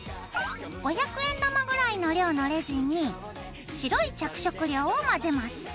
５００円玉ぐらいの量のレジンに白い着色料を混ぜます。